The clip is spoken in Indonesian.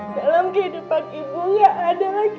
dalam kehidupan ibu gak ada laki laki